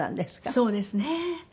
そうですね。